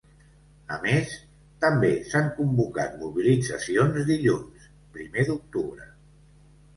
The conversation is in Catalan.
A més, també s’han convocat mobilitzacions dilluns, primer d’octubre.